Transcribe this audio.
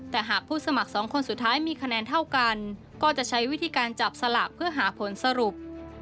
แต่หากผู้สมัครสองคนสุดท้ายมีคะแนนเท่ากันก็จะใช้วิธีการจับสลากเพื่อหาผลสรุป